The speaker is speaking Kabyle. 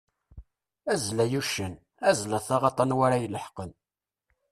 Azzel ay uccen, azzel a taɣaḍt anwa ara ileḥqen.